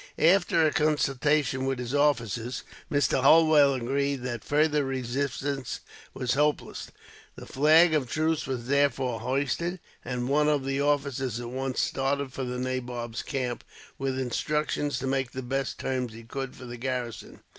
After a consultation with his officers, Mr. Holwell agreed that further resistance was hopeless. The flag of truce was therefore hoisted, and one of the officers at once started for the nabob's camp, with instructions to make the best terms he could for the garrison.